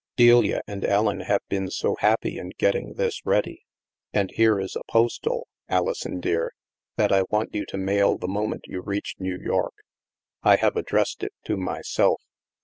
" Delia and Ellen have been so happy in getting this ready. And here is a postal, Alison dear, that I want you to mail the moment you reach New York. I have addressed it to myself.